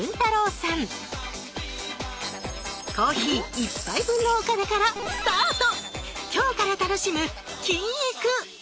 コーヒー一杯分のお金からスタート！